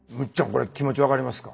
これ気持ち分かりますか？